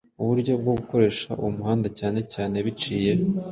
uburyo bwo gukoresha uwo muhanda cyane cyane biciye